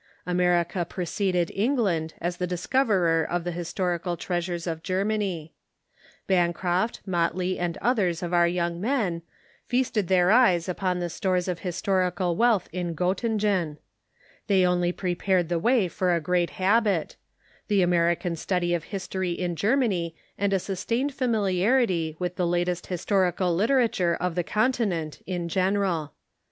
America preceded England as the discoverer of the historical treasures of Germany, Bancroft, Motley, and others of our young men feasted their eyes upon the stores of historical wealth in Gottingen ; the}^ only prepared the way for a great habit — the American study of history in Germany and a sus tained familiarity with the latest historical literature of the continent in general.